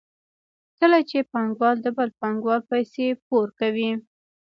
کله چې پانګوال د بل پانګوال پیسې پور کوي